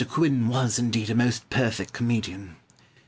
Quin was, indeed, a most perfect comedian.